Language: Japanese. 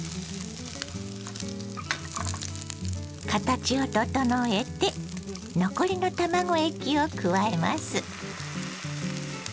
形を整えて残りの卵液を加えます。